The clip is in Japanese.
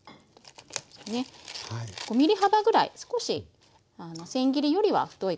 ５ｍｍ幅ぐらい少し千切りよりは太い感じですかね。